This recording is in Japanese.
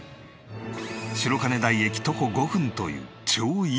白金台駅徒歩５分という超一等地。